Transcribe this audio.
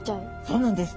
そうなんです。